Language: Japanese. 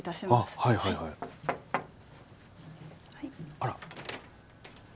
あら？